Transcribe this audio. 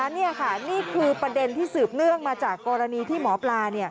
นี่ค่ะนี่คือประเด็นที่สืบเนื่องมาจากกรณีที่หมอปลา